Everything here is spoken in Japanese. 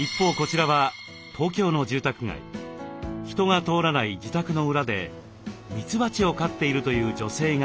人が通らない自宅の裏でミツバチを飼っているという女性がいます。